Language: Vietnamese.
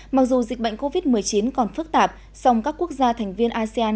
mặc dù dịch bệnh covid một mươi chín còn phức tạp song các quốc gia thành viên asean